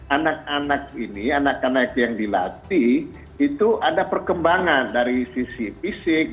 anak anak ini anak anak yang dilatih itu ada perkembangan dari sisi fisik